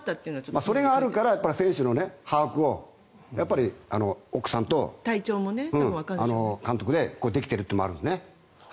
それもあるから選手の把握を奥さんと監督でできてるっていうのもあるんですね。